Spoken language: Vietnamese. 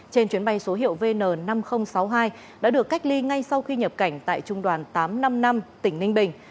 trên chuyến bay số hiệu vn năm nghìn sáu mươi hai đã được cách ly ngay sau khi nhập cảnh tại trung đoàn tám trăm năm mươi năm tỉnh ninh bình